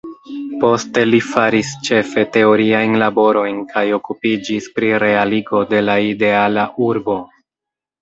Poste li faris ĉefe teoriajn laborojn kaj okupiĝis pri realigo de la ideala urbo.